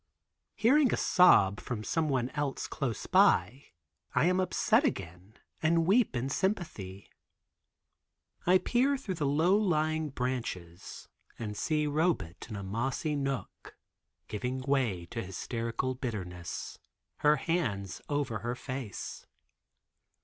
Hearing a sob from someone else close by, I am upset again and weep in sympathy. I peer through the low lying branches and see Robet in a mossy nook, giving way to hysterical bitterness, her hands over her face.